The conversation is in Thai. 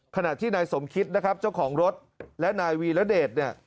ขณะที่นายสมคิดนะครับเจ้าของรถและนายวีรเดชเนี่ย